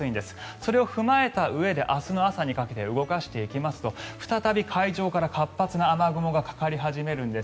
それを踏まえたうえで明日の朝にかけて動かしていきますと再び海上から活発な雨雲がかかり始めるんです。